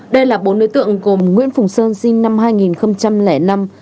đây là bốn đối tượng gồm nguyễn phùng sơn sinh năm hai nghìn năm